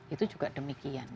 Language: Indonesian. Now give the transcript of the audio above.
itu juga demikian